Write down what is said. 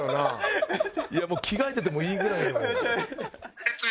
いやもう着替えててもいいぐらいの。